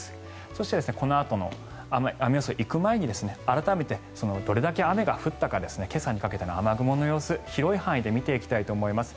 そして、このあとの雨予想に行く前に改めて、どれだけ雨が降ったか今朝にかけての雨雲の様子広い範囲で見ていきたいと思います。